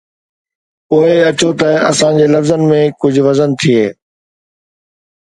پوءِ اچو ته اسان جي لفظن ۾ ڪجهه وزن ٿئي.